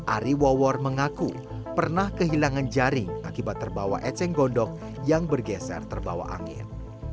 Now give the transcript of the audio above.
ari wowor mengaku pernah kehilangan jaring akibat terbawa eceng gondok yang bergeser terbawa angin